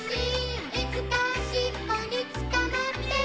「いつかしっぽに捕まって」